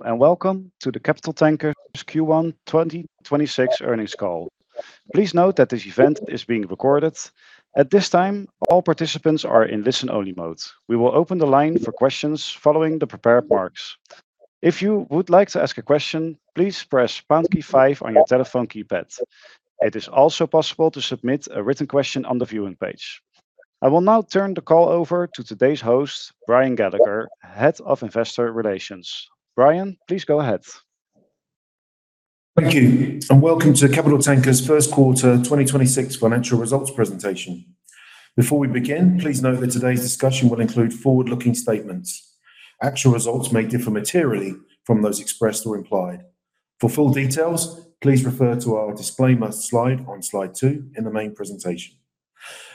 Welcome to the Capital Tankers Q1 2026 earnings call. Please note that this event is being recorded. At this time, all participants are in listen-only mode. We will open the line for questions following the prepared remarks. If you would like to ask a question, please press pound key five on your telephone keypad. It is also possible to submit a written question on the viewing page. I will now turn the call over to today's host, Brian Gallagher, Head of Investor Relations. Brian, please go ahead. Thank you. Welcome to Capital Tankers' first quarter 2026 financial results presentation. Before we begin, please note that today's discussion will include forward-looking statements. Actual results may differ materially from those expressed or implied. For full details, please refer to our disclaimer slide on slide two in the main presentation.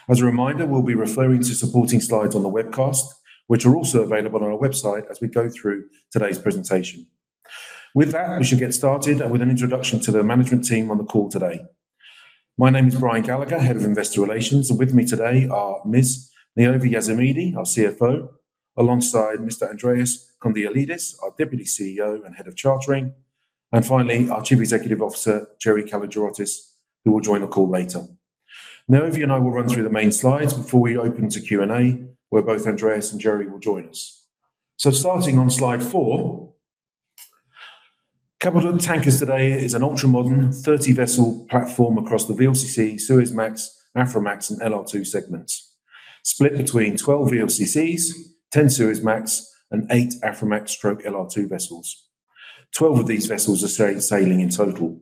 As a reminder, we'll be referring to supporting slides on the webcast, which are also available on our website as we go through today's presentation. With that, we should get started with an introduction to the management team on the call today. My name is Brian Gallagher, Head of Investor Relations. With me today are Ms. Niovi Iasemidi, our CFO, alongside Mr. Andreas Konialidis, our Deputy CEO and Head of Chartering, and finally, our Chief Executive Officer, Gerry Kalogiratos, who will join the call later. Niovi and I will run through the main slides before we open to Q&A, where both Andreas and Gerry will join us. Starting on slide four, Capital Tankers today is an ultramodern 30-vessel platform across the VLCC, Suezmax, Aframax, and LR2 segments, split between 12 VLCCs, 10 Suezmax, and eight Aframax/LR2 vessels. Twelve of these vessels are sailing in total.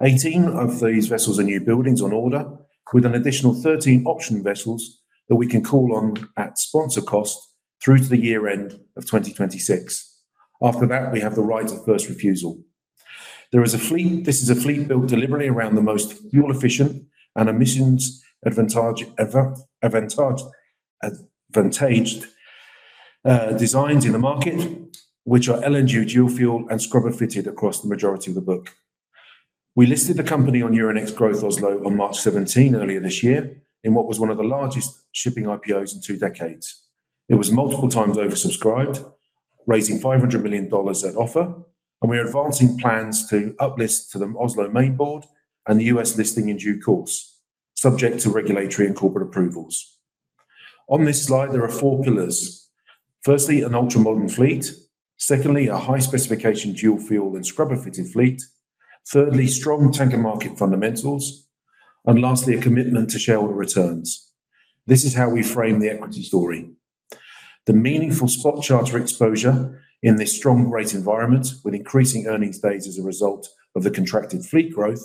18 of these vessels are new buildings on order, with an additional 13 option vessels that we can call on at sponsor cost through to the year-end of 2026. After that, we have the right of first refusal. This is a fleet built deliberately around the most fuel-efficient and emissions-advantaged designs in the market, which are LNG dual fuel and scrubber-fitted across the majority of the book. We listed the company on Euronext Growth Oslo on March 17 earlier this year, in what was one of the largest shipping IPOs in two decades. We are advancing plans to uplist to the Oslo Børs Main Board and the U.S. listing in due course, subject to regulatory and corporate approvals. On this slide, there are four pillars. Firstly, an ultramodern fleet. Secondly, a high-specification dual-fuel and scrubber-fitted fleet. Thirdly, strong tanker market fundamentals. Lastly, a commitment to shareholder returns. This is how we frame the equity story. The meaningful spot charter exposure in this strong rate environment with an increasing earnings base as a result of the contracted fleet growth,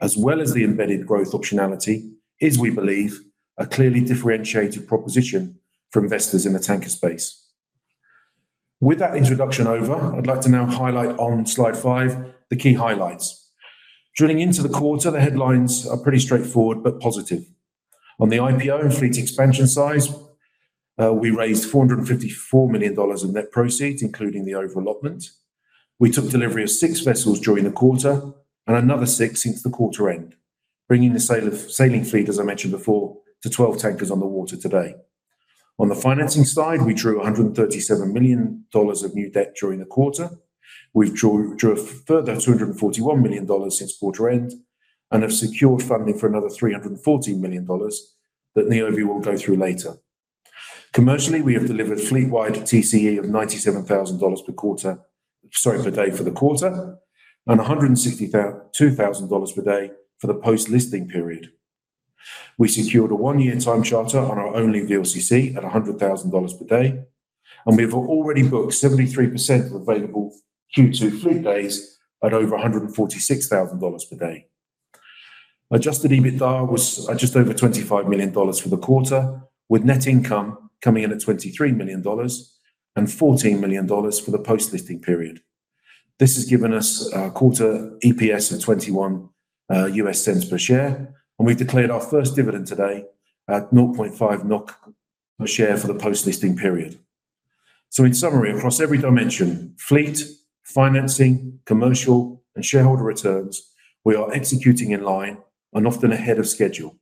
as well as the embedded growth optionality, is, we believe, a clearly differentiated proposition for investors in the tanker space. With that introduction over, I'd like to now highlight on slide five the key highlights. Joining into the quarter, the headlines are pretty straightforward but positive. On the IPO and fleet expansion size, we raised $454 million of net proceeds, including the overallotment. We took delivery of six vessels during the quarter and another six into the quarter end, bringing the sailing fleet, as I mentioned before, to 12 tankers on the water today. On the financing side, we drew $137 million of new debt during the quarter. We've drawn a further $241 million since quarter end and have secured funding for another $340 million that Niovi will go through later. Commercially, we have delivered fleet-wide TCE of $97,000 per quarter, sorry, per day for the quarter, and $162,000 per day for the post-listing period. We secured a one-year time charter on our only VLCC at $100,000 per day, and we have already booked 73% of available Q2 fleet days at over $146,000 per day. Adjusted EBITDA was just over $25 million for the quarter, with net income coming in at $23 million and $14 million for the post-listing period. This has given us a quarter EPS of $0.21 per share, and we declared our first dividend today at 0.50 NOK per share for the post-listing period. In summary, across every dimension—fleet, financing, commercial, and shareholder returns—we are executing in line and often ahead of schedule.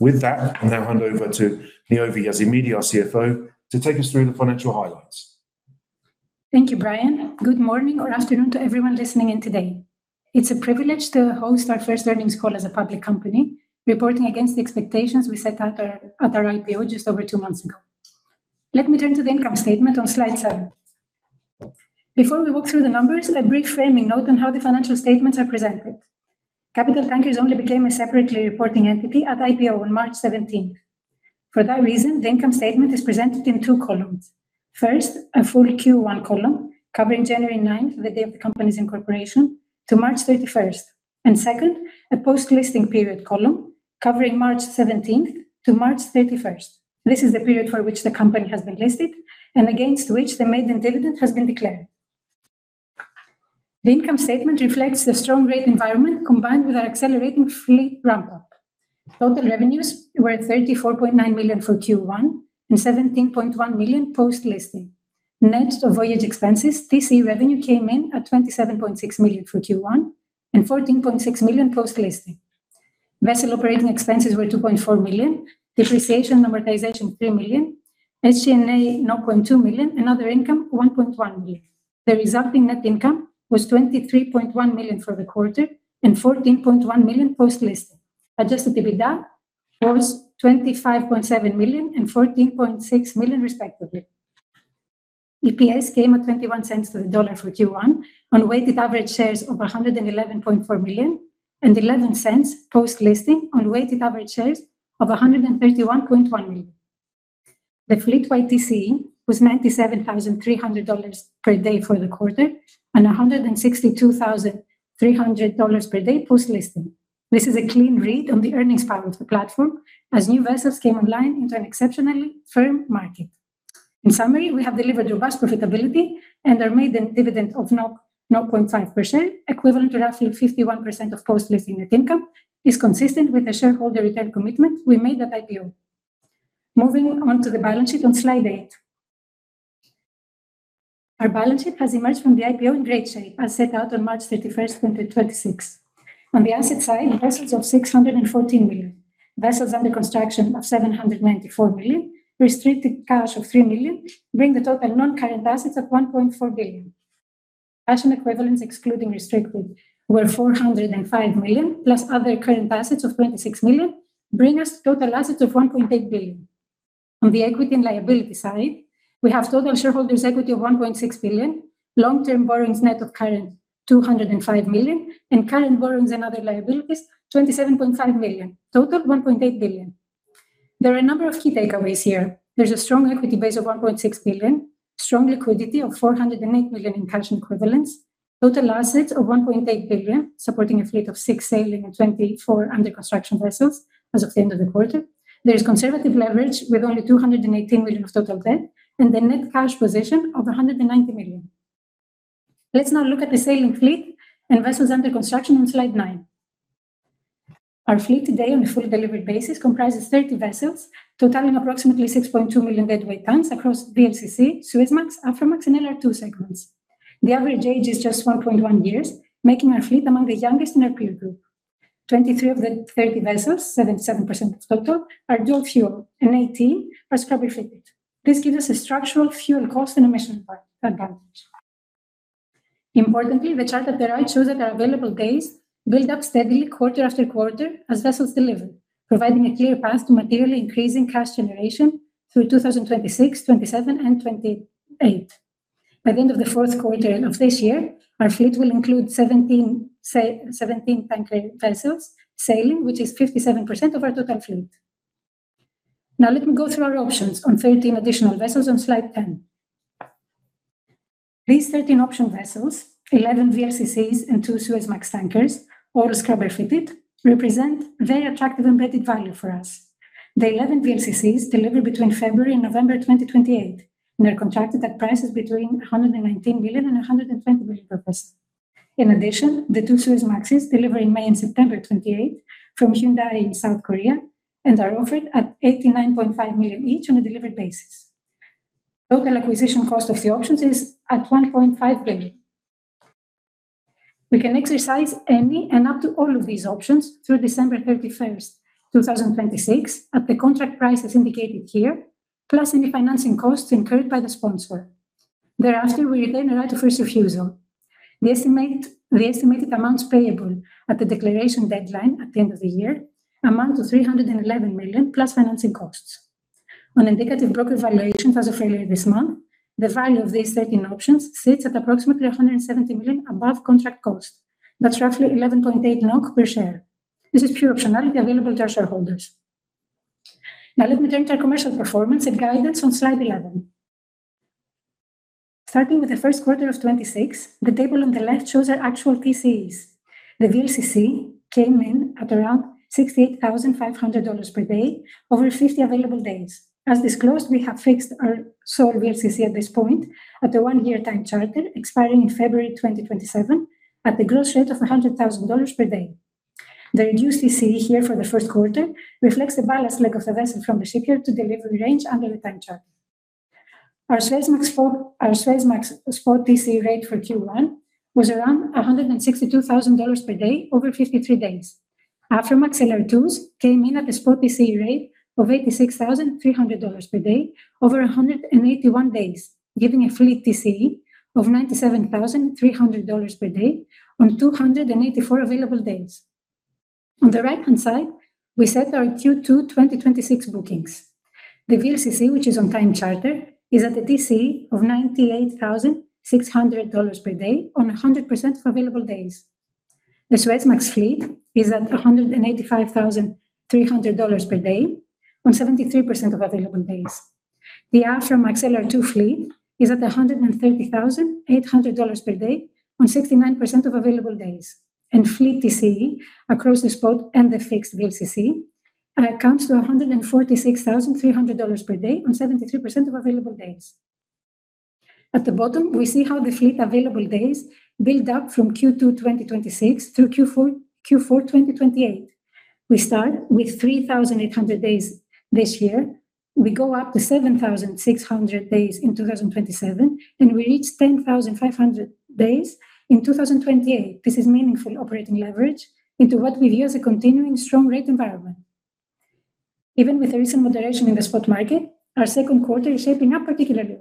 With that, I'll now hand over to Niovi Iasemidi, our CFO, to take us through the financial highlights. Thank you, Brian. Good morning or afternoon to everyone listening in today. It's a privilege to host our first earnings call as a public company, reporting against the expectations we set out at our IPO just over two months ago. Let me turn to the income statement on slide seven. Before we walk through the numbers, a brief framing note on how the financial statements are presented. Capital Tankers only became a separately reporting entity at IPO on March 17th. For that reason, the income statement is presented in two columns. First, a full Q1 column covering January 9th, the date of the company's incorporation, to March 31st. And second, a post-listing period column covering March 17th-March 31st. This is the period for which the company has been listed and against which the maiden dividend has been declared. The income statement reflects the strong rate environment combined with our accelerating fleet ramp-up. Total revenues were at $34.9 million for Q1 and $17.1 million post-listing. Net of voyage expenses, TC revenue came in at $27.6 million for Q1 and $14.6 million post-listing. Vessel operating expenses were $2.4 million, depreciation and amortization $3 million, SG&A $0.2 million, and other income $1.1 million. The resulting net income was $23.1 million for the quarter and $14.1 million post-listing. Adjusted EBITDA was $25.7 million and $14.6 million, respectively. EPS came at $0.21 for the dollar for Q1 on weighted average shares of 111.4 million and $0.11 post-listing on weighted average shares of 131.1 million. The fleet-wide TCE was $97,300 per day for the quarter and $162,300 per day post-listing. This is a clean read on the earnings power of the platform as new vessels came online into an exceptionally firm market. In summary, we have delivered robust profitability, and our maiden dividend of 0.5%, equivalent to roughly 51% of post-listing net income, is consistent with the shareholder return commitment we made at IPO. Moving on to the balance sheet on slide eight. Our balance sheet has emerged from the IPO in great shape as set out on March 31st, 2026. On the asset side, vessels of $614 million, vessels under construction of $794 million, and restricted cash of $3 million bring the total non-current assets to $1.4 billion. Cash and equivalents, excluding restricted, were $405 million, plus other current assets of $26 million, bringing our total assets of $1.8 billion. On the equity and liability side, we have total shareholders' equity of $1.6 billion; long-term borrowings net of current, $205 million; and current borrowings and other liabilities, $27.5 million. Total, $1.8 billion. There are a number of key takeaways here. There's a strong equity base of $1.6 billion, strong liquidity of $409 million in cash equivalents, and total assets of $1.8 billion, supporting a fleet of six sailing and 24 under-construction vessels as of the end of the quarter. There is conservative leverage with only $218 million total debt and a net cash position of $190 million. Let's now look at the sailing fleet and vessels under construction on slide nine. Our fleet today on a full delivery basis comprises 30 vessels, totaling approximately 6.2 million deadweight tons across VLCC, Suezmax, Aframax, and LR2 segments. The average age is just 1.1 years, making our fleet among the youngest in our peer group. 23 of the 30 vessels, 77% of the total, are dual fuel, ME-GI, or scrubber-fitted. This gives us a structural fuel cost and emission advantage. Importantly, the chart on the right shows that our available days build up steadily quarter after quarter as vessels deliver, providing a clear path to materially increasing cash generation through 2026, 2027, and 2028. By the end of the fourth quarter of this year, our fleet will include 17 tanker vessels sailing, which is 57% of our total fleet. Let me go through our options on 13 additional vessels on slide 10. These 13 option vessels, 11 VLCCs and two Suezmax tankers, all scrubber-fitted, represent very attractive embedded value for us. The 11 VLCCs deliver between February and November 2028, and they're contracted at prices between $119 million and $120 million approximately. In addition, the two Suezmaxes deliver in May and September 2028 from Hyundai in South Korea and are offered at $89.5 million each on a delivery basis. Total acquisition cost of the options is $1.5 billion. We can exercise any and up to all of these options through December 31st, 2026, at the contract prices indicated here, plus any financing costs incurred by the sponsor. Thereafter, we retain the right of first refusal. The estimated amounts payable at the declaration deadline at the end of the year amount to $311 million+ financing costs. On indicative broker valuations as of earlier this month, the value of these 13 options sits at approximately $170 million above contract cost. That's roughly $11.8 million per share. This is pure optionality available to our shareholders. Let me turn to commercial performance and guidance on slide 11. Starting with the first quarter of 2026, the table on the left shows our actual TCEs. The VLCC came in at around $68,500 per day over 50 available days. As disclosed, we have fixed our sole VLCC at this point at a one-year time charter expiring in February 2027 at a gross rate of $100,000 per day. The reduced TCE here for the first quarter reflects the ballast leg of a vessel from the shipyard to the delivery range under the time charter. Our Suezmax spot TCE rate for Q1 was around $162,000 per day over 53 days. Aframax LR2s came in at a spot TCE rate of $86,300 per day over 181 days, giving a fleet TCE of $97,300 per day on 284 available days. On the right-hand side, we set our Q2 2026 bookings. The VLCC, which is on time charter, is at a TCE of $98,600 per day on 100% of available days. The Suezmax fleet is at $185,300 per day on 73% of available days. The Aframax LR2 fleet is at $130,800 per day on 69% of available days. Fleet TCE across the spot and the fixed VLCC comes to $146,300 per day on 73% of available days. At the bottom, we see how the fleet's available days build up from Q2 2026 through Q4 2028. We start with 3,800 days this year. We go up to 7,600 days in 2027, and we reach 10,500 days in 2028. This is meaningful operating leverage into what we view as a continuing strong rate environment. Even with recent moderation in the spot market, our second quarter is shaping up particularly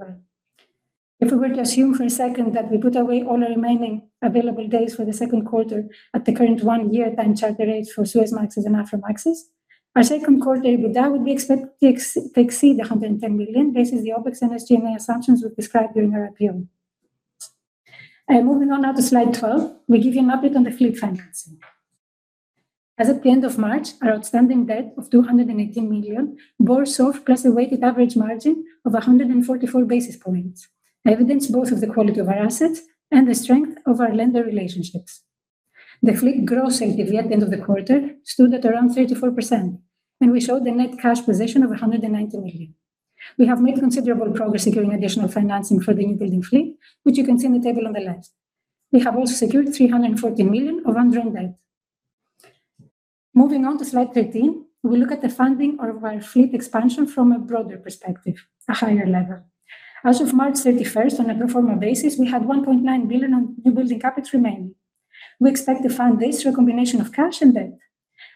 well. If we were to assume for a second that we put away all our remaining available days for the second quarter at the current one-year time charter rates for Suezmaxes and Aframaxes, our second quarter EBITDA, we expect to exceed $110 million versus the OpEx and SG&A assumptions we described earlier in our PM. Moving on now to slide 12, we give you an update on the fleet financing. As of the end of March, our outstanding debt of $218 million bore SOFR plus a weighted average margin of 144 basis points, evidence both of the quality of our assets and the strength of our lender relationships. The fleet gross EBITDA at the end of the quarter stood at around 34%, and we showed a net cash position of $190 million. We have made considerable progress securing additional financing for the in-building fleet, which you can see in the table on the left. We have also secured $340 million of undrawn debt. Moving on to slide 13, we look at the funding of our fleet expansion from a broader perspective, a higher level. As of March 31st on a pro forma basis, we had $1.9 billion in new building capital remaining. We expect to fund this through a combination of cash and debt.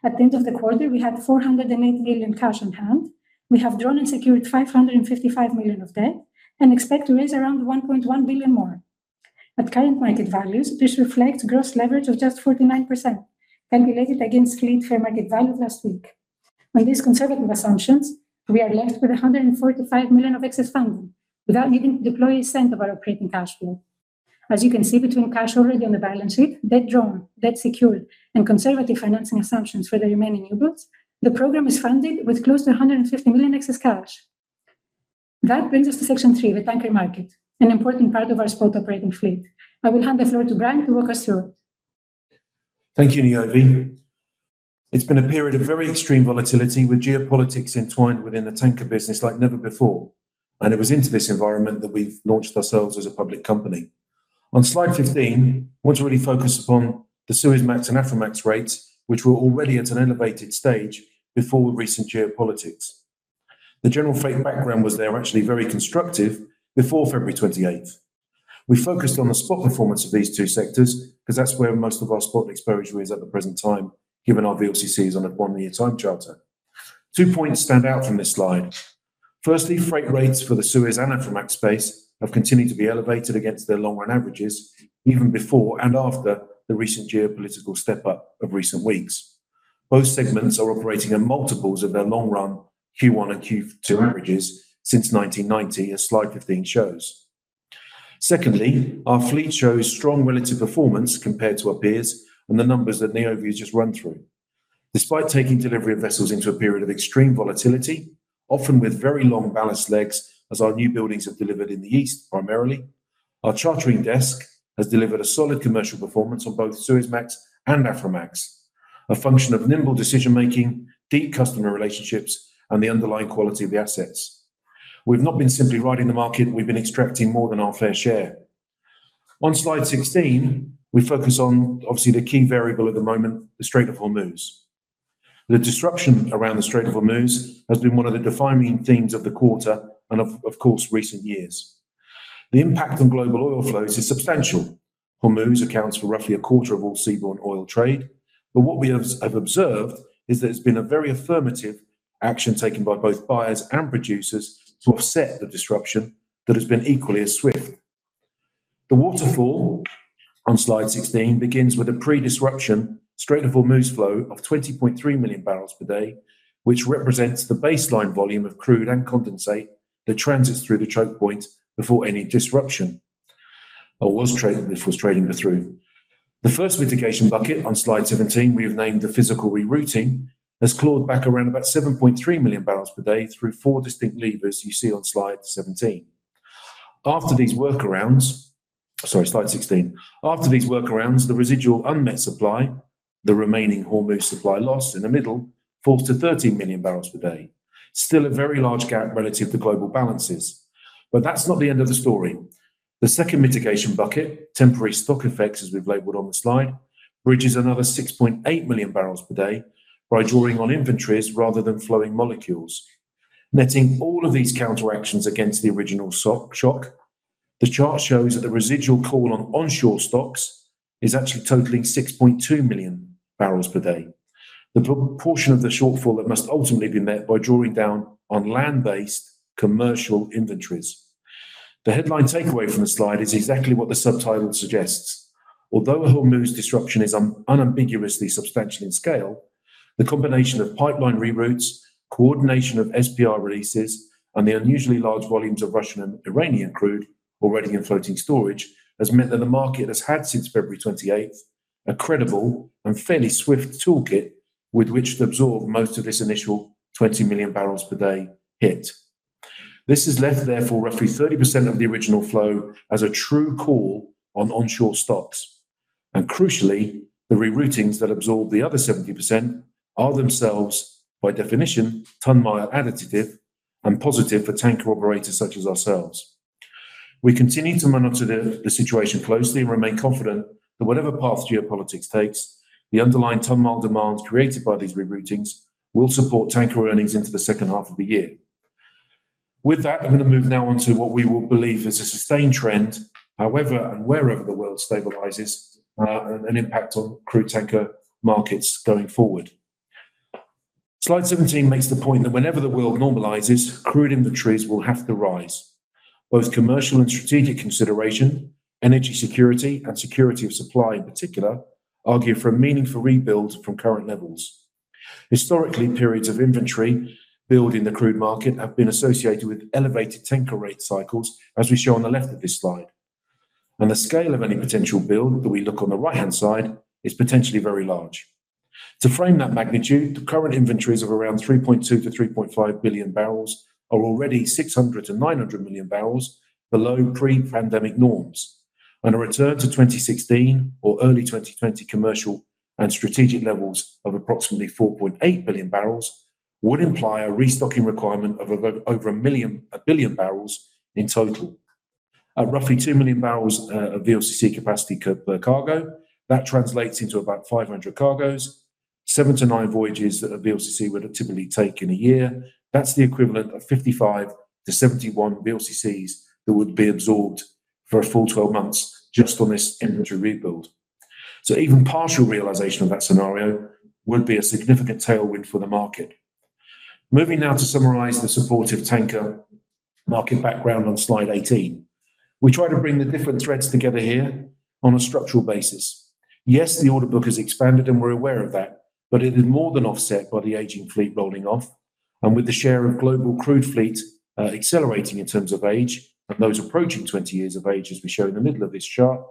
At the end of the quarter, we had $408 million cash on hand. We have drawn and secured $555 million of debt and expect to raise around $1.1 billion more. At current market values, this reflects gross leverage of just 49%, and we raised it against fleet fair market value last week. With these conservative assumptions, we are left with $145 million of excess funding without needing to deploy $0.01 of our operating cash flow. As you can see, between cash already in the balance sheet, debt drawn, debt secured, and conservative financing assumptions for the remaining newbuilds, the program is funded with close to $150 million excess cash. That brings us to section three, the tanker market, an important part of our spot operating fleet. I will hand the floor to Brian, who will pursue it. Thank you, Niovi. It's been a period of very extreme volatility with geopolitics entwined within the tanker business like never before, and it was into this environment that we've launched ourselves as a public company. On slide 15, once we focus upon the Suezmax and Aframax rates, which were already at an elevated stage before the recent geopolitics. The general freight background was they're actually very constructive before February 28th. We focused on the spot performance of these two sectors because that's where most of our spot exposure is at the present time, given our VLCCs on a one-year time charter. Two points stand out from this slide. Firstly, freight rates for the Suez and Aframax space have continued to be elevated against their long-run averages, even before and after the recent geopolitical step-up of recent weeks. Both segments are operating in multiples of their long-run Q1 and Q2 averages since 1990, as slide 15 shows. Secondly, our fleet shows strong relative performance compared to our peers and the numbers that Niovi just ran through. Despite taking delivery of vessels into a period of extreme volatility, often with very long ballast legs, as our new buildings have been delivered in the East primarily, our chartering desk has delivered a solid commercial performance on both Suezmax and Aframax, a function of nimble decision-making, deep customer relationships, and the underlying quality of the assets. We've not been simply riding the market; we've been extracting more than our fair share. On slide 16, we focus on obviously the key variable at the moment, the Strait of Hormuz. The disruption around the Strait of Hormuz has been one of the defining themes of the quarter and, of course, recent years. The impact on global oil flows is substantial. Hormuz accounts for roughly a quarter of all seaborne oil trade. What we have observed is that it's been a very affirmative action taken by both buyers and producers to offset the disruption that has been equally as swift. The waterfall on slide 16 begins with a pre-disruption Strait of Hormuz flow of 20.3 million barrels per day, which represents the baseline volume of crude and condensate that transits through the choke point before any disruption or was traded before trading it through. The first mitigation bucket on slide 17, we've named the physical rerouting, has clawed back around about 7.3 million barrels per day through four distinct levers you see on slide 17. After these workarounds, sorry, slide 16. After these workarounds, the residual unmet supply, the remaining Hormuz supply loss in the middle, falls to 13 million barrels per day. Still a very large gap relative to global balances. That's not the end of the story. The second mitigation bucket, temporary stock effects, as we've labeled on the slide, bridges another 6.8 million barrels per day by drawing on inventories rather than flowing molecules. Netting all of these counteractions against the original shock, the chart shows that the residual call on onshore stocks is actually totaling 6.2 million barrels per day. The proportion of the shortfall that must ultimately be met by drawing down on land-based commercial inventories. The headline takeaway from the slide is exactly what the subtitle suggests. Although the Hormuz disruption is unambiguously substantial in scale, the combination of pipeline reroutes, coordination of SPR releases, and the unusually large volumes of Russian and Iranian crude already in floating storage has meant that the market has had since February 28th a credible and fairly swift toolkit with which to absorb most of its initial 20 million barrels per day hit. This has left, therefore, roughly 30% of the original flow as a true call on onshore stocks. Crucially, the reroutings that absorb the other 70% are themselves, by definition, ton-mile additive and positive for tanker operators such as ourselves. We continue to monitor the situation closely and remain confident that whatever path geopolitics takes, the underlying ton-mile demand created by these reroutings will support tanker earnings into the second half of the year. With that, I'm going to move now on to what we believe is a sustained trend, however and wherever the world stabilizes, and an impact on crude tanker markets going forward. Slide 17 makes the point that whenever the world normalizes, crude inventories will have to rise. Both commercial and strategic considerations, energy security, and security of supply in particular argue for a meaningful rebuild from current levels. Historically, periods of inventory build in the crude market have been associated with elevated tanker rate cycles, as we show on the left of this slide. The scale of any potential build that we look at on the right-hand side is potentially very large. To frame that magnitude, the current inventories of around 3.2 billion-3.5 billion barrels are already 600 million-900 million barrels below pre-pandemic norms. A return to 2016 or early 2020 commercial and strategic levels of approximately 4.8 billion barrels would imply a restocking requirement of over a billion barrels in total. At roughly 2 million barrels of VLCC capacity per cargo, that translates into about 500 cargoes, seven-nine voyages that a VLCC would typically take in a year. That's the equivalent of 55-71 VLCCs that would be absorbed for a full 12 months just on this inventory rebuild. Even partial realization of that scenario would be a significant tailwind for the market. Moving now to summarize the supportive tanker market background on slide 18. We try to bring the different threads together here on a structural basis. Yes, the order book has expanded, and we're aware of that, but it is more than offset by the aging fleet rolling off. With the share of global crude fleets accelerating in terms of age and those approaching 20 years of age, as we show in the middle of this chart,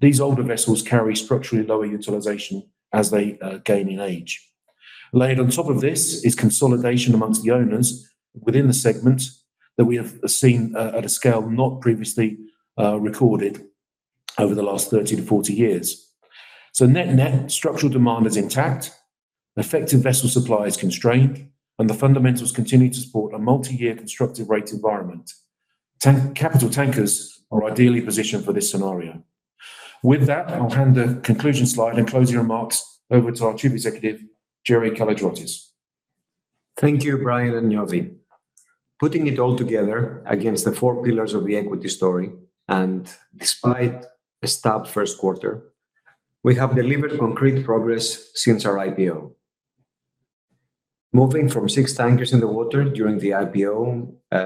these older vessels carry structurally lower utilization as they gain in age. Laid on top of this is consolidation amongst the owners within the segment that we have seen at a scale not previously recorded over the last 30-40 years. Net-net structural demand is intact, effective vessel supply is constrained, and the fundamentals continue to support a multi-year constructive rate environment. Capital Tankers are ideally positioned for this scenario. With that, I'll hand the conclusion slide and closing remarks over to our Chief Executive, Gerry Kalogiratos. Thank you, Brian and Niovi. Putting it all together against the four pillars of the equity story, despite a [stopped] first quarter, we have delivered concrete progress since our IPO. Moving from six tankers in the water during the IPO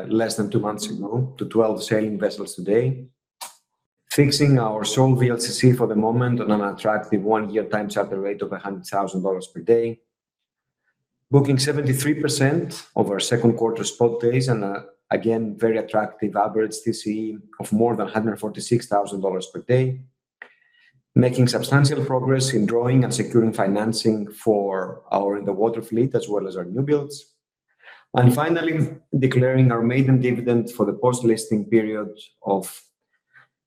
less than two months ago to 12 sailing vessels today, fixing our sole VLCC for the moment on an attractive one-year time charter rate of $100,000 per day, booking 73% of our second quarter spot days and, again, a very attractive average TC of more than $146,000 per day, making substantial progress in drawing and securing financing for our in-the-water fleet as well as our newbuilds, and finally, declaring our maiden dividend for the post-listing period of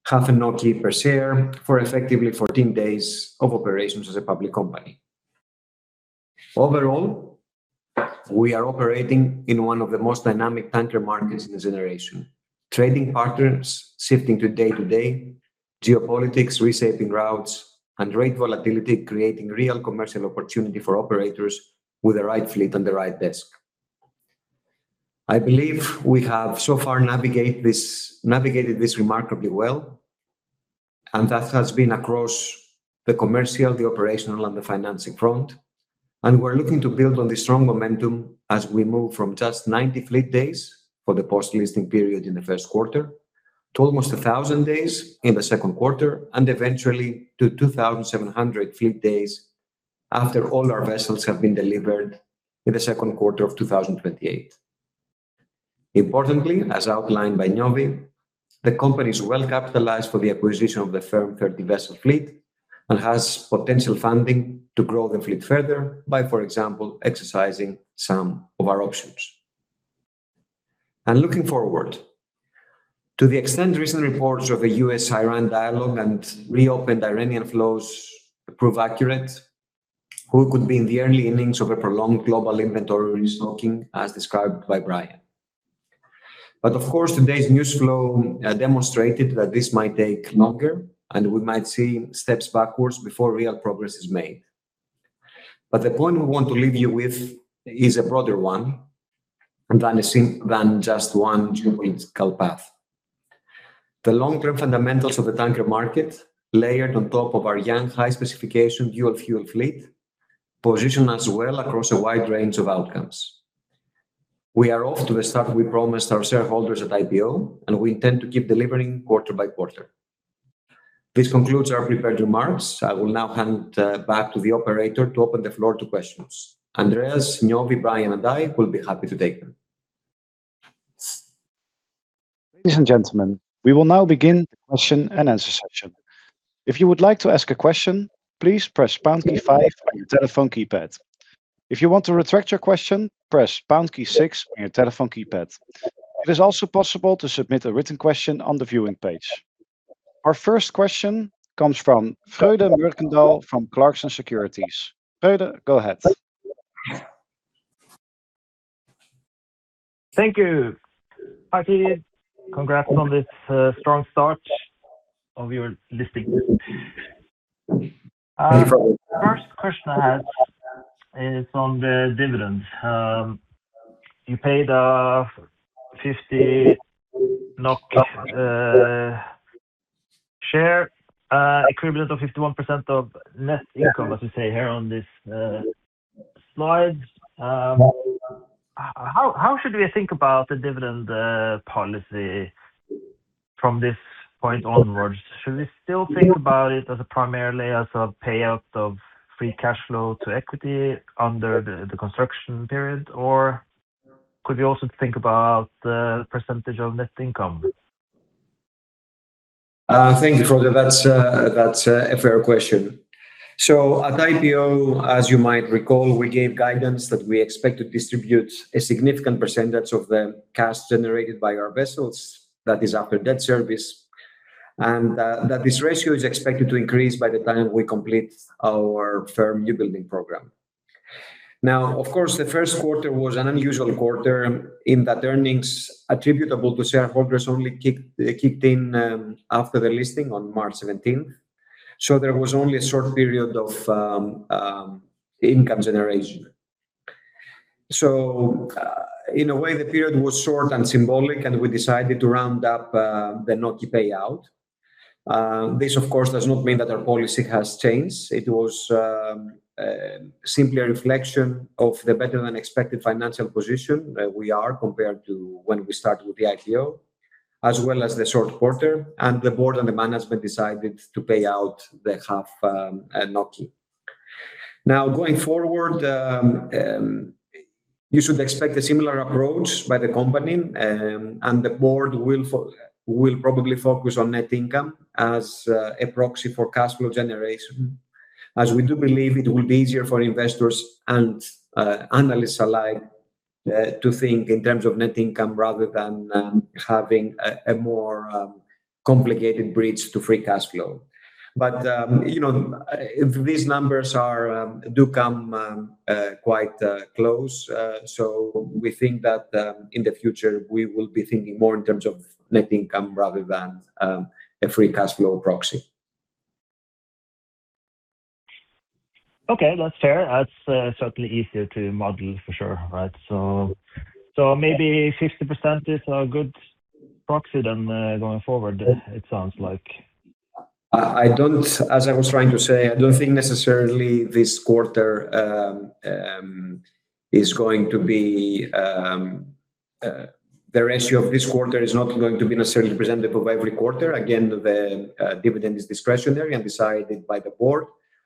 half a NOK per share for effectively 14 days of operations as a public company. Overall, we are operating in one of the most dynamic tanker markets in a generation. Trading patterns shifting day-to-day, geopolitics resetting routes, and rate volatility creating real commercial opportunity for operators with the right fleet and the right desk. I believe we have so far navigated this remarkably well, and that has been across the commercial, operational, and financing fronts. We're looking to build on this strong momentum as we move from just 90 fleet days for the post-listing period in the first quarter to almost 1,000 days in the second quarter and eventually to 2,700 fleet days after all our vessels have been delivered in the second quarter of 2028. Importantly, as outlined by Niovi, the company is well-capitalized for the acquisition of the 30-vessel fleet and has potential funding to grow the fleet further by, for example, exercising some of our options. Looking forward, to the extent recent reports of a U.S.-Iran dialogue and reopened Iranian flows prove accurate, we could be in the early innings of a prolonged global inventory restocking, as described by Brian. Of course, today's news flow demonstrated that this might take longer, and we might see steps backwards before real progress is made. The point we want to leave you with is a broader one than just one geopolitical path. The long-term fundamentals of the tanker market, layered on top of our young, high-specification dual-fuel fleet, position us well across a wide range of outcomes. We are off to the start we promised our shareholders at IPO, and we intend to keep delivering quarter by quarter. This concludes our prepared remarks. I will now hand back to the operator to open the floor to questions. Andreas, Niovi, Brian, and I will be happy to take them. Ladies and gentlemen, we will now begin the question and answer session. If you would like to ask a question, please press the pound key five on your telephone keypad. If you want to retract your question, press the pound key six on your telephone keypad. It is also possible to submit a written question on the viewing page. Our first question comes from Frode Mørkedal from Clarksons Securities. Frode, go ahead. Thank you. [Gerry], congrats on this strong start of your listing. The first question I had is on the dividend. You paid NOK 50 share, equivalent to 51% of net income, as we say here on this slide. How should we think about the dividend policy from this point onwards? Should we still think about it primarily as a payout of free cash flow to equity under the construction period, or could we also think about the percentage of net income? Thank you, Frode. That's a fair question. At IPO, as you might recall, we gave guidance that we expect to distribute a significant percentage of the cash generated by our vessels, that is, after debt service, and that this ratio is expected to increase by the time we complete our firm new building program. Of course, the first quarter was an unusual quarter in that earnings attributable to shareholders only kicked in after the listing on March 17th. There was only a short period of income generation. In a way, the period was short and symbolic, and we decided to round up the NOK payout. This, of course, does not mean that our policy has changed. It was simply a reflection of the better-than-expected financial position that we are compared to when we started with the IPO, as well as the short quarter. The board and the management decided to pay out the half NOK. Going forward, you should expect a similar approach by the company. The board will probably focus on net income as a proxy for cash flow generation, as we do believe it will be easier for investors and analysts alike to think in terms of net income rather than having a more complicated bridge to free cash flow. These numbers do come quite close. We think that in the future, we will be thinking more in terms of net income rather than a free cash flow proxy. Okay. That's fair. That's certainly easier to model for sure. Maybe 50% is a good proxy then going forward, it sounds like. As I was trying to say, I don't think necessarily the ratio of this quarter is going to be necessarily presented every quarter. Again, the dividend is discretionary and decided by the board,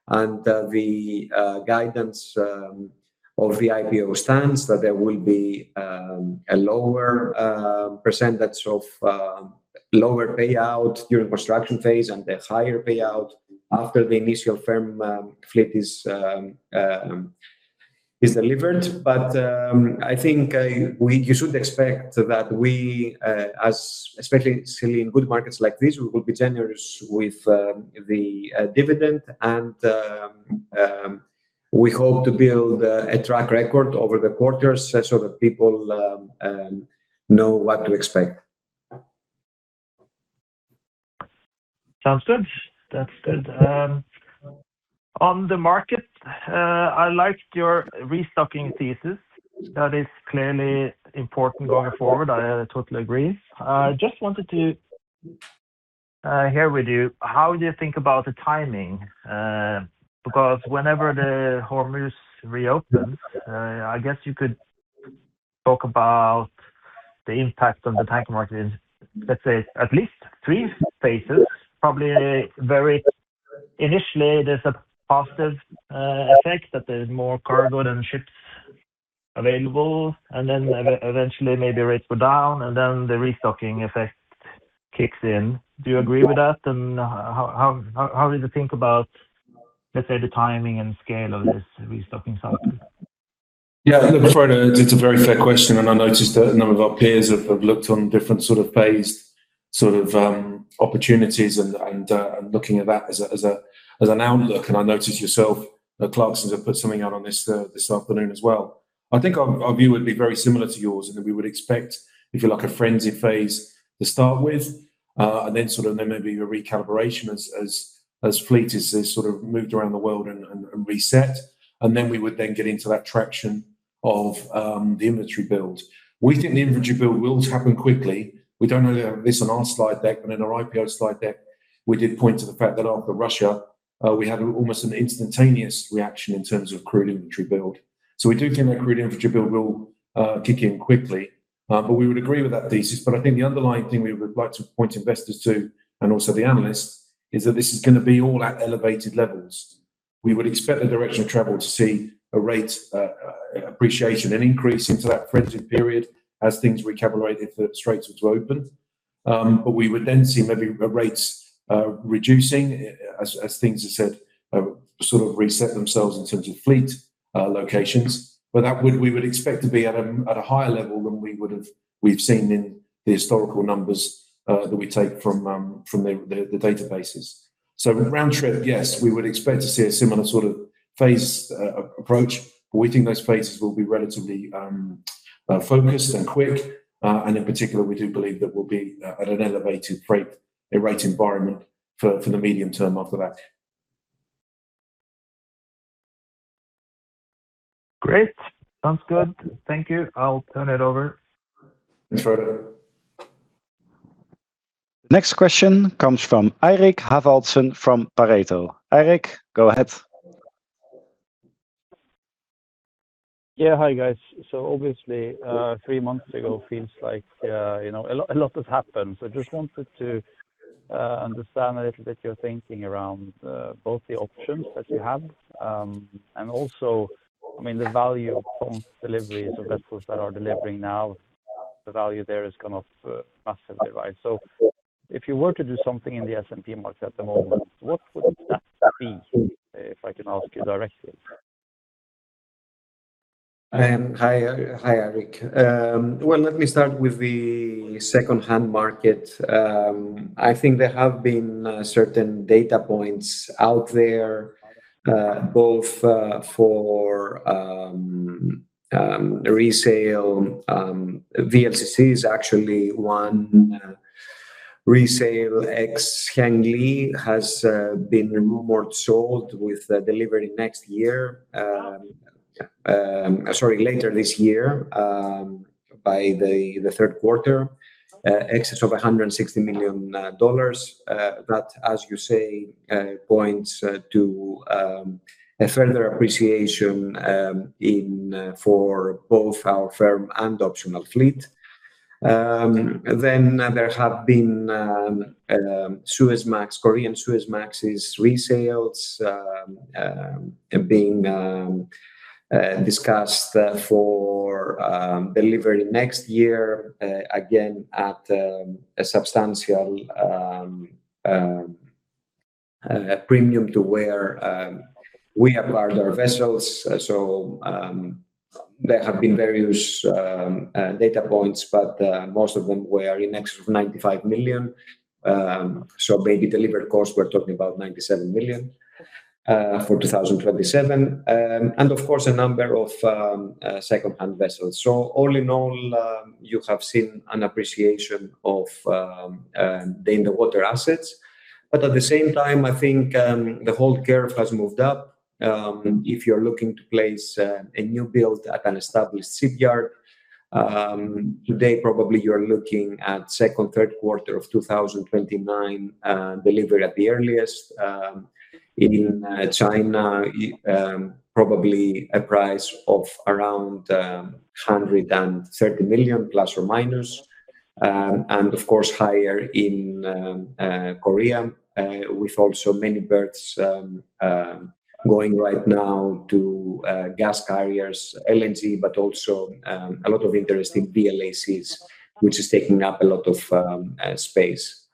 and the guidance of the IPO states that there will be a lower percentage of lower payout during the construction phase and a higher payout after the initial firm fleet is delivered. But I think you should expect that we, especially seeing good markets like this, will be generous with the dividend, and we hope to build a track record over the quarters so that people know what to expect. Sounds good. That's good. On the market, I liked your restocking thesis. That is clearly important going forward. I totally agree. I just wanted to hear from you how you think about the timing. Whenever the Hormuz reopens, I guess you could talk about the impact on the tank market in, let's say, at least three phases. Initially, there's a positive effect that there's more cargo than ships available, and then eventually maybe rates go down, and then the restocking effect kicks in. You agree with that, and how does it think about, let's say, the timing and scale of this restocking cycle? Look, Frode, it's a very fair question, and I noticed a number of our peers have looked at different phased opportunities and are looking at that as an outlook, and I noticed you, that Clarksons has put something out on this this afternoon as well. I think our view would be very similar to yours, and we would expect, if you like, a frenzy phase to start with, and then maybe a recalibration as the fleet is moved around the world and reset, and then we would then get into that traction of the inventory build. We think the inventory build will happen quickly. We don't know this on our slide deck, but on our IPO slide deck, we did point to the fact that after Russia, we had almost an instantaneous reaction in terms of crude inventory build. We do think that crude inventory build will kick in quickly, but we would agree with that thesis. I think the underlying thing we would like to point investors to, and also the analysts, is that this is going to be all at elevated levels. We would expect the direction of travel to see a rate appreciation, an increase into that frenzy period as things recalibrated, if the straits were to open. We would then see maybe the rates reducing as things are set, sort of reset themselves in terms of fleet locations. But we would expect to be at a higher level than we've seen in the historical numbers that we take from the databases. In round trip, yes, we would expect to see a similar sort of Phased approach. We think those phases will be relatively focused and quick. In particular, we do believe that we'll be at an elevated rate, a rate environment for the medium term off the back. Great. Sounds good. Thank you. I'll turn it over. Sure. Next question comes from Eirik Haavaldsen from Pareto. Eirik, go ahead. Hi, guys. Obviously, three months ago feels like a lot has happened. Just wanted to understand a little bit your thinking around both the options that you have and also the value of prompt delivery of vessels that are delivering now; the value there has gone up massively. If you were to do something in the S&P market at the moment, what would that be? If I can ask you directly. Hi, Eirik. Let me start with the secondhand market. I think there have been certain data points out there, both for resale VLCCs; actually, one resale ex-Zhangli has been sold more with delivery next year. Sorry, later this year, by the third quarter, in excess of $160 million. That, as you say, points to a further appreciation for both our firm and optional fleet. There have been Suezmax, Korean Suezmax resales being discussed for delivery next year, again, at a substantial premium to where we acquired our vessels. There have been various data points, but most of them were in excess of $95 million. Maybe delivery cost; we're talking about $97 million for 2027. Of course, a number of secondhand vessels. All in all, you have seen an appreciation of the in-the-water assets. At the same time, I think the whole curve has moved up. If you're looking to place a new build at an established shipyard, today you're probably looking at the second or third quarter of 2029 for delivery at the earliest. In China, probably a price of around $130 million± and, of course, higher in Korea, with also many berths going right now to gas carriers, LNG, but also a lot of interesting VLACs, which is taking up a lot of space.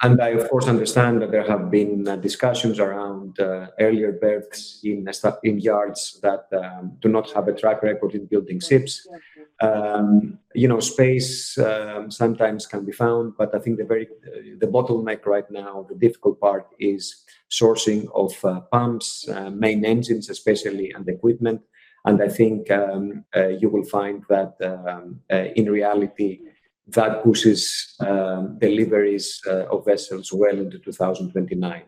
I, of course, understand that there have been discussions around earlier berths in yards that do not have a track record in building ships. Space sometimes can be found, but I think the bottleneck right now, the difficult part, is sourcing pumps, main engines especially, and equipment. I think you will find that in reality, that pushes deliveries of vessels well into 2029.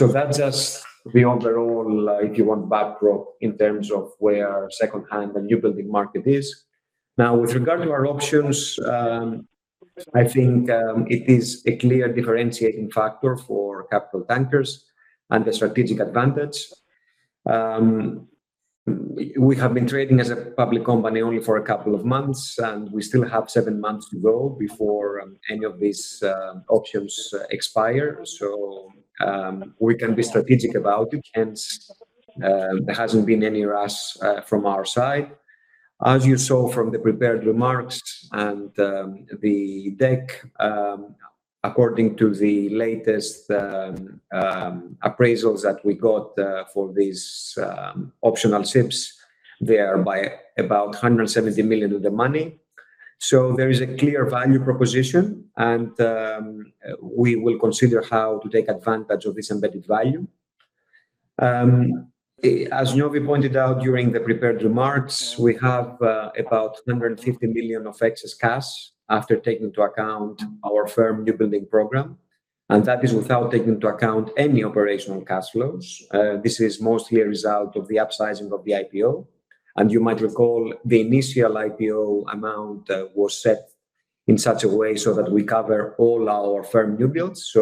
That's just the overall given backdrop in terms of where secondhand and new building markets are. With regard to our options, I think it is a clear differentiating factor for Capital Tankers and a strategic advantage. We have been trading as a public company only for a couple of months, and we still have seven months to go before any of these options expire. We can be strategic about it; hence, there hasn't been any rush from our side. As you saw from the prepared remarks and the deck, according to the latest appraisals that we got for these optional ships, they are by about $170 million in the money. There is a clear value proposition, and we will consider how to take advantage of this embedded value. As Niovi pointed out during the prepared remarks, we have about $250 million of excess cash after taking into account our firm's new building program, and that is without taking into account any operational cash flows. This is mostly a result of the upsizing of the IPO. You might recall the initial IPO amount was set in such a way so that we cover all our firm's new builds.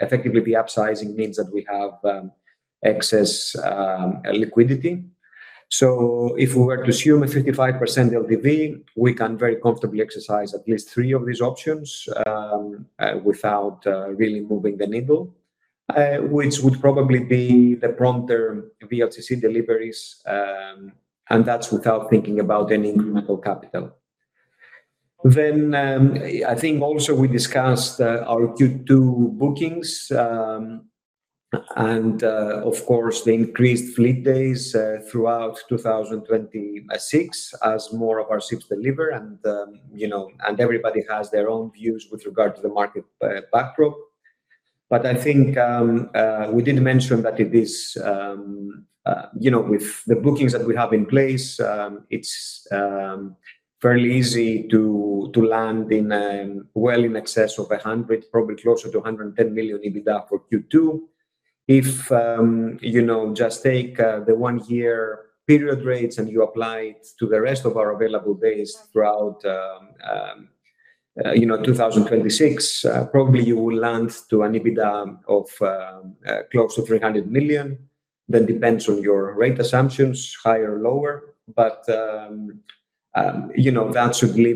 Effectively, upsizing means that we have excess liquidity. If we were to assume a 35% LTV, we could very comfortably exercise at least three of these options without really moving the needle, which would probably be the prompter VLCC deliveries, and that's without thinking about any incremental capital. I think also we discussed our Q2 bookings, and of course, the increased fleet days throughout 2026 as more of our ships deliver, and everybody has their own views with regard to the market backdrop. I think we didn't mention that with the bookings that we have in place, it's fairly easy to land in well in excess of $100 million, probably closer to $110 million EBITDA for Q2. If you just take the one-year period rates and apply them to the rest of our available days throughout 2026, you will probably land on an EBITDA of close to $300 million. That depends on your rate assumptions, higher or lower. That should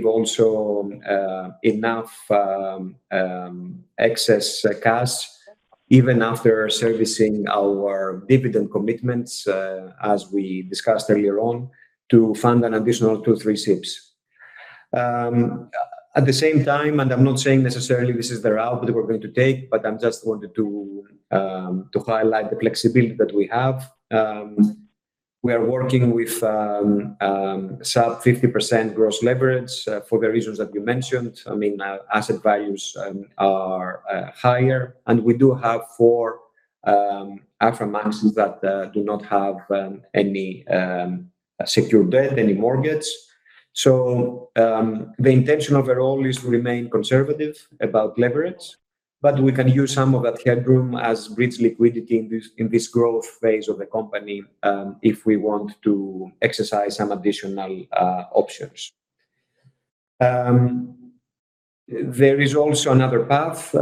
also leave enough excess cash even after servicing our dividend commitments, as we discussed earlier, to fund an additional two or three ships. At the same time, I'm not saying necessarily this is the route that we're going to take, but I just wanted to highlight the flexibility that we have. We are working with sub-50% gross leverage for the reasons that we mentioned. Asset values are higher, and we do have four Aframaxes that do not have any secure debt or any mortgage. The intention overall is to remain conservative about leverage, but we can use some of that headroom as bridge liquidity in this growth phase of the company if we want to exercise some additional options. There is also another path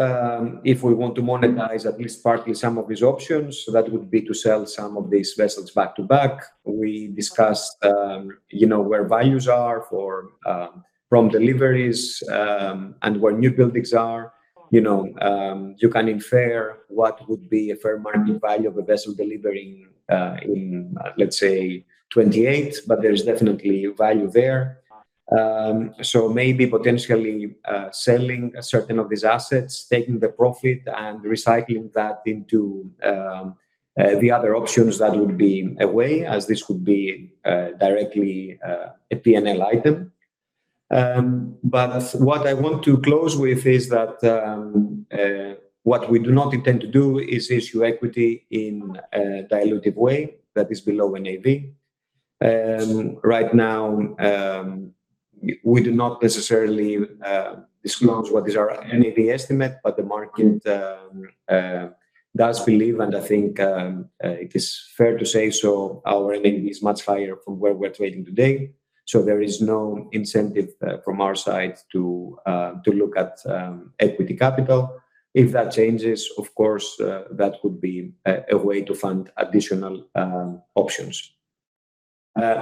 if we want to monetize at least partly some of these options, and that would be to sell some of these vessels back-to-back. We discussed where values are from deliveries and where new buildings are. You can infer what would be a fair market value of a vessel delivering in, let's say 2028, but there's definitely value there. Maybe potentially selling certain of these assets, taking the profit, and recycling that into the other options would be a way, as this would be directly a P&L item. What I want to close with is that what we do not intend to do is issue equity in a dilutive way that is below NAV. Right now, we do not necessarily discount what our NAV estimate is, but the market does believe, and I think it is fair to say so, our NAV is much higher from where we're trading today. There is no incentive from our side to look at equity capital. If that changes, of course, that would be a way to fund additional options.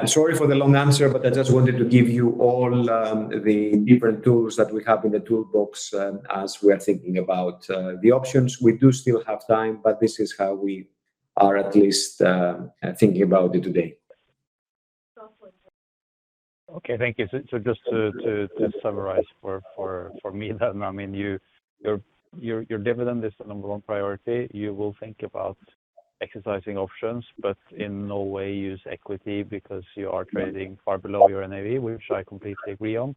Sorry for the long answer, but I just wanted to give you all the different tools that we have in the toolbox as we are thinking about the options. We do still have time, but this is how we are at least thinking about it today. Okay, thank you. Just to summarize for me then, your dividend is the number one priority. You will think about exercising options, but in no way use equity because you are trading far below your NAV, which I completely agree on.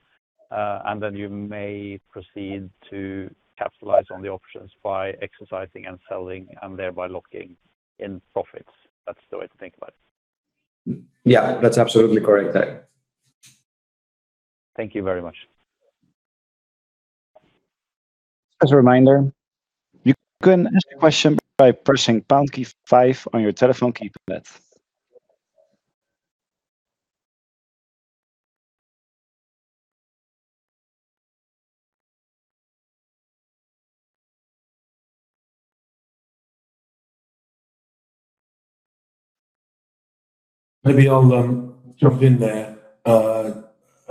You may proceed to capitalize on the options by exercising and selling and thereby locking in profits. That's the way to think about it. Yeah, that's absolutely correct. Thank you very much. As a reminder, you can ask a question by pressing pound key five on your telephone keypad. Maybe I'll jump in there,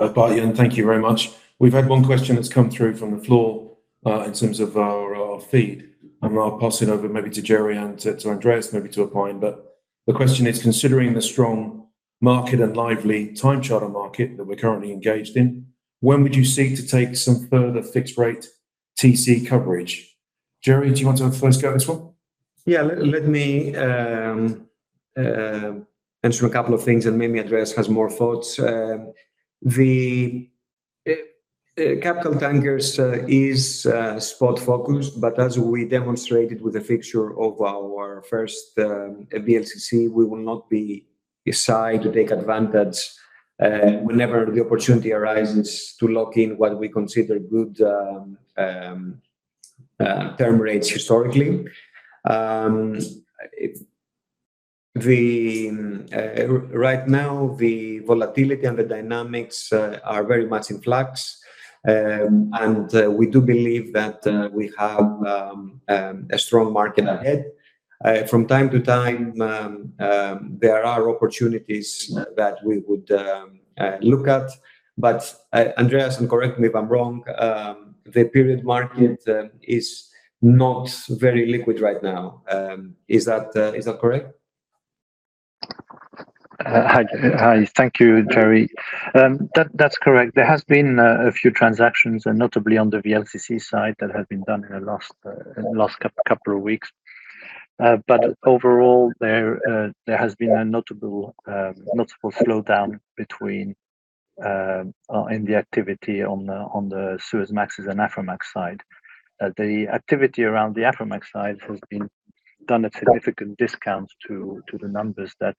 Bart, thank you very much. We've had one question that's come through from the floor in terms of our feed, and we are passing over maybe to Gerry and to Andreas maybe to a point. The question is, considering the strong market and lively time charter market that we're currently engaged in, when would you seek to take some further fixed-rate TC coverage? Gerry, do you want to first go at this one? Yeah, let me answer a couple of things, and maybe Andreas has more thoughts. Capital Tankers is spot-focused, but as we demonstrated with the fixture of our first VLCC, we will not be shy to take advantage whenever the opportunity arises to lock in what we consider good term rates historically. Right now, the volatility and the dynamics are very much in flux, and we do believe that we have a strong market ahead. From time to time, there are opportunities that we would look at. Andreas, and correct me if I'm wrong, the period market is not very liquid right now. Is that correct? Hi. Thank you, Gerry. That's correct. There have been a few transactions, and notably on the VLCC side, that have been done in the last couple of weeks. Overall, there has been a notable slowdown in the activity on the Suezmax and Aframax sides. The activity around the Aframax side has done a significant discount to the numbers that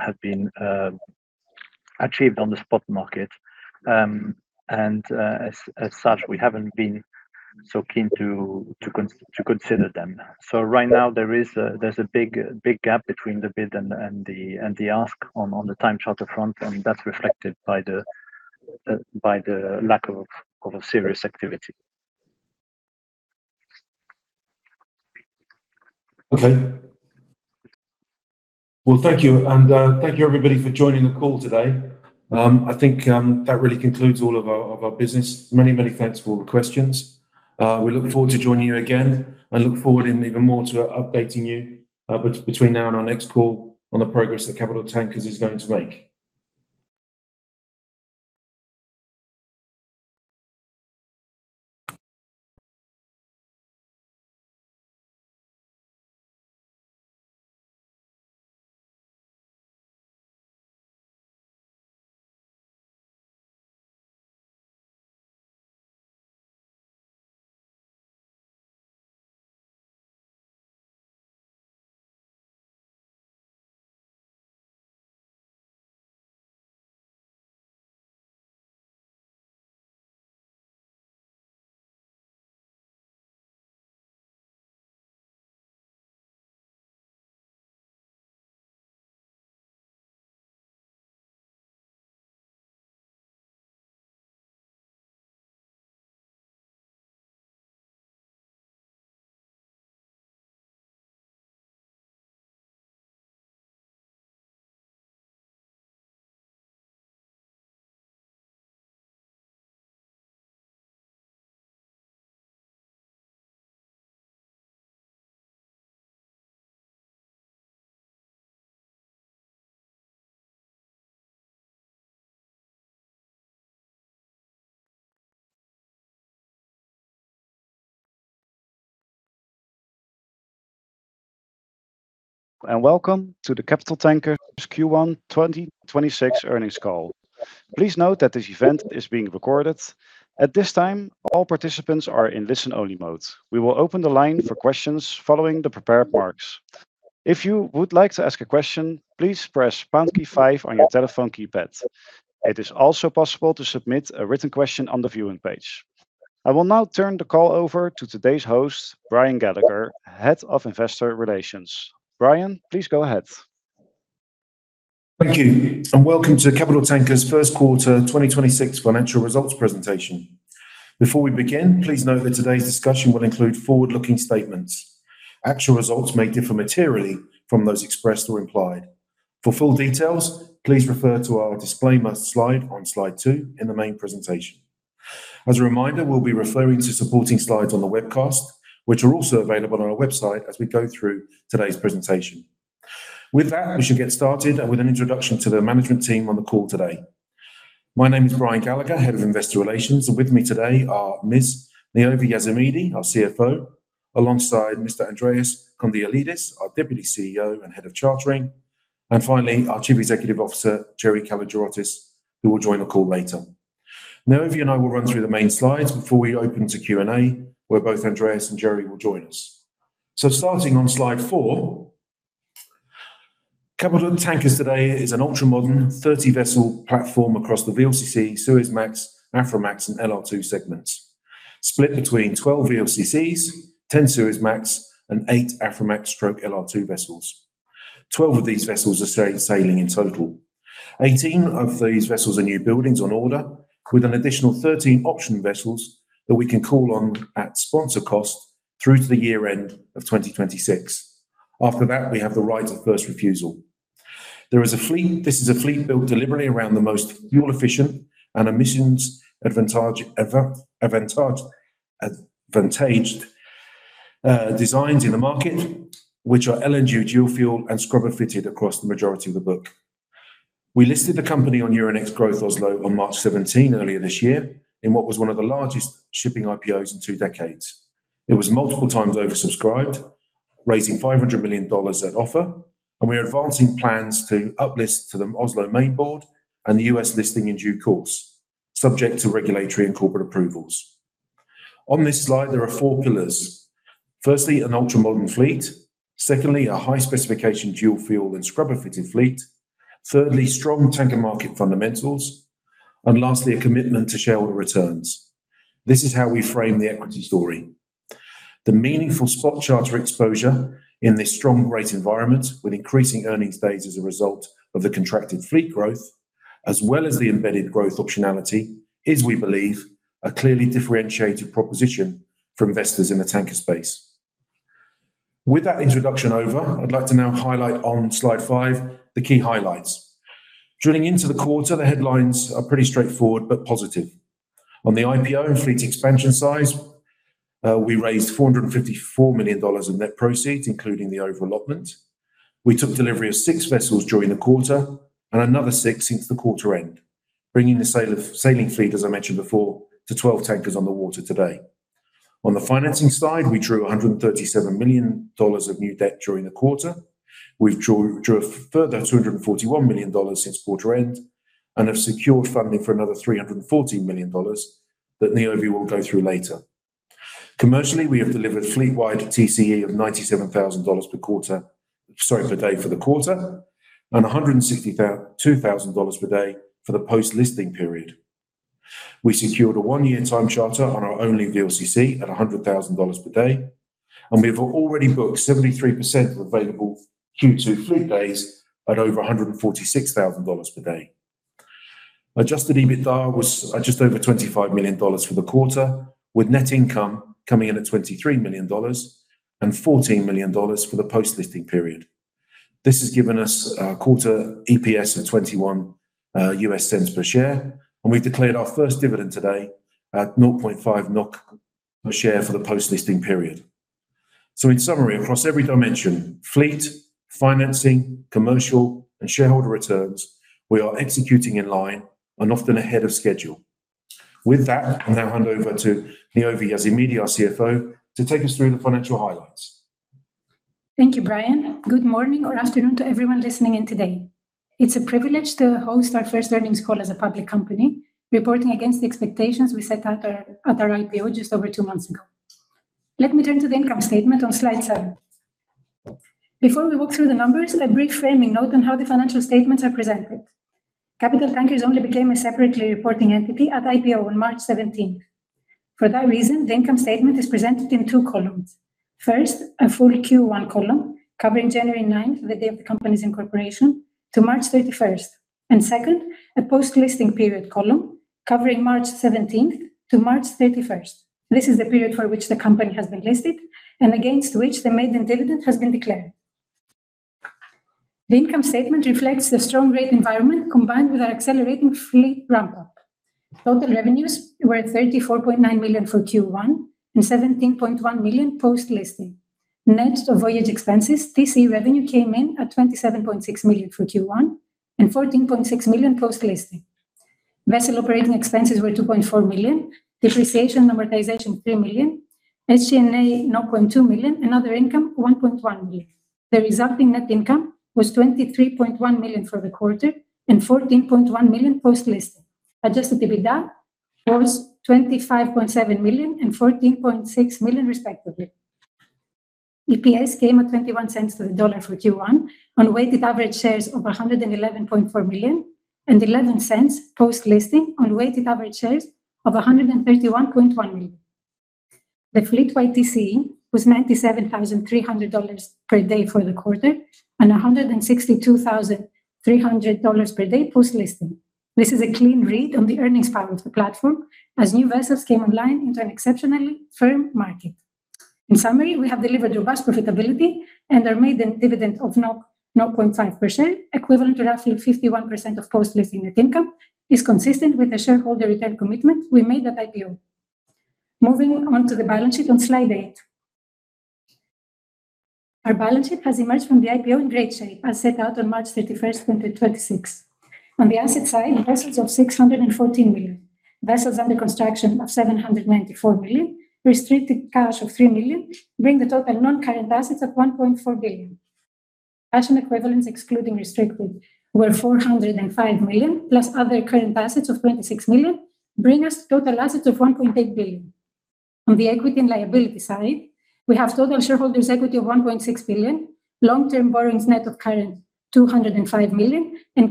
have been achieved on the spot market. As such, we haven't been so keen to consider them. Right now there's a big gap between the bid and the ask on the time charter front, and that's reflected by the lack of serious activity. Okay. Well, thank you. Thank you, everybody, for joining the call today. I think that really concludes all of our business.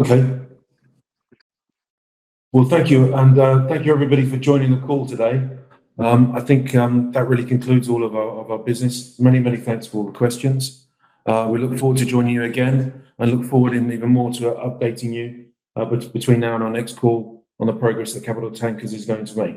Many thanks for all the questions. We look forward to joining you again and look forward even more to updating you between now and our next call on the progress that Capital Tankers is going to make.